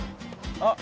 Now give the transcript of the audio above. あっ。